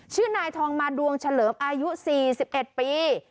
ชื่อนายทองมาดวงเฉลิมอายุ๔๑ปี